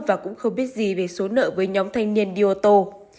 và cũng không biết gì về số nợ với nhóm thanh niên đi ô tô